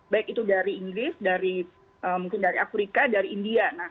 baik itu dari inggris mungkin dari afrika dari india